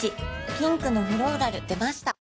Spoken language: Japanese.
ピンクのフローラル出ました